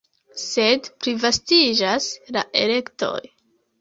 Sed plivastiĝas la elektoj.